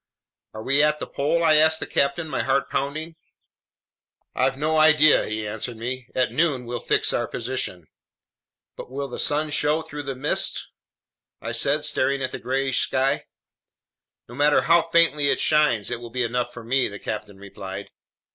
"Are we at the pole?" I asked the captain, my heart pounding. "I've no idea," he answered me. "At noon we'll fix our position." "But will the sun show through this mist?" I said, staring at the grayish sky. "No matter how faintly it shines, it will be enough for me," the captain replied.